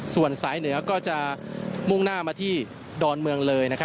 ส่วนสายเหนือก็จะมุ่งหน้ามาที่ดอนเมืองเลย